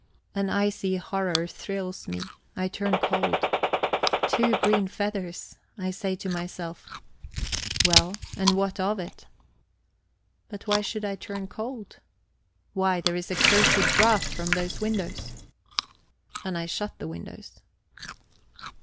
An icy horror thrills me; I turn cold. Two green feathers! I say to myself: Well, and what of it? But why should I turn cold? Why, there is a cursed draught from those windows. And I shut the windows.